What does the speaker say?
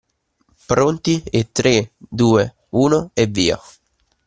Pronti, e tre, due, uno e via.